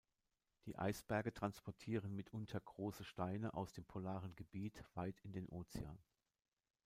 Die Eisberge transportieren mitunter große Steine aus dem polaren Gebiet weit in den Ozean.